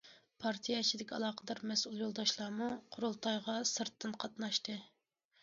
پارتىيە ئىچىدىكى ئالاقىدار مەسئۇل يولداشلارمۇ قۇرۇلتايغا سىرتتىن قاتناشتى.